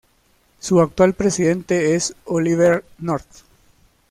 Su actual presidente es Oliver North.